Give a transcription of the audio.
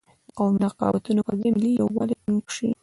د قومي رقابتونو پر ځای ملي یوالی ټینګ شي.